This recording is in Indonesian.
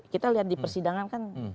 kita lihat di persidangan kan